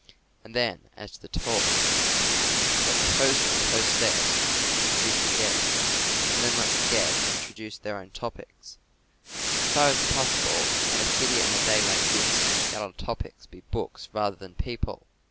And then, as to the talk: let the host and the hostess introduce the guests, and then let the guests introduce their own topics. And as far as possible, in a city and a day like this, let our topics be books rather than people.